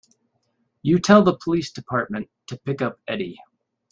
You tell the police department to pick up Eddie.